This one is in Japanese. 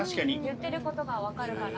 言ってる事がわかるから。